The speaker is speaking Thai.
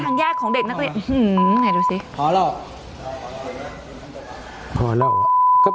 โห้ยสงสารอ่ะ